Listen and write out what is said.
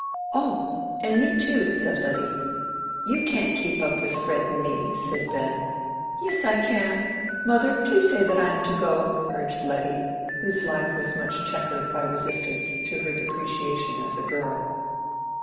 "Oh, and me too," said Letty. "You can't keep up with Fred and me," said Ben. "Yes, I can. Mother, please say that I am to go," urged Letty, whose life was much checkered by resistance to her depreciation as a girl.